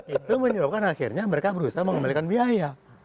itu menyebabkan akhirnya mereka berusaha mengembalikan biaya